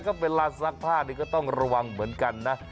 ก็เวลาซักผ้านี่ก็ต้องระวังเหมือนกันนะ